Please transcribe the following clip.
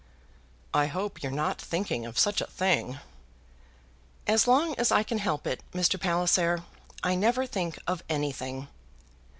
"I hope you're not thinking of such a thing?" "As long as I can help it, Mr. Palliser, I never think of anything."